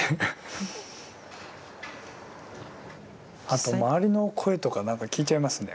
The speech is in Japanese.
あと周りの声とか何か聞いちゃいますね。